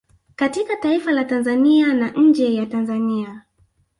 katika taifa la Tanzania na nje ya Tanzania